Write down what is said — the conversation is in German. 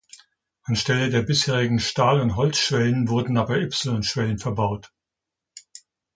Anstelle der bisherigen Stahl- und Holzschwellen wurden dabei Y-Schwellen verbaut.